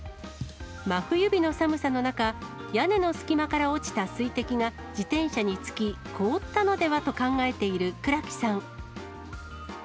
真冬日の寒さの中、屋根の隙間から落ちた水滴が自転車につき、凍ったのではと考えている久良木さん。